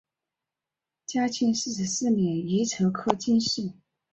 嘉靖四十四年乙丑科进士。